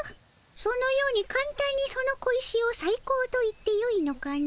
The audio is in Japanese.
そのようにかんたんにその小石をさい高と言ってよいのかの？